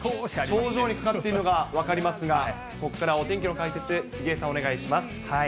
頂上にかかっているのが分かりますが、ここからお天気の解説、杉江さん、お願いします。